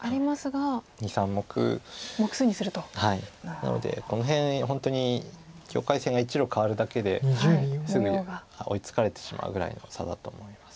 なのでこの辺本当に境界線が１路変わるだけですぐに追いつかれてしまうぐらいの差だと思います。